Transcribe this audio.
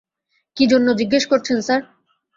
কি জন্যে জিজ্ঞেস করছেন স্যার?